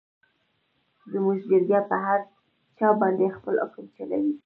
زموږ چرګه په هر چا باندې خپل حکم چلوي.